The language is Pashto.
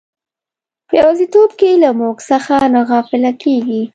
په یوازیتوب کې له موږ څخه نه غافله کیږي.